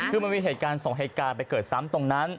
คือมันมีเหตุการณ์สองเหตุการณ์ไปเกิดซ้ำตรงนั้น